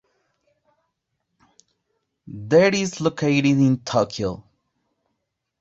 The is located in Tokyo.